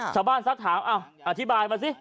ชาวบ้านสักถามอาธิบายมาสิ